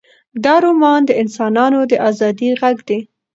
دا رومان د انسانانو د ازادۍ غږ دی.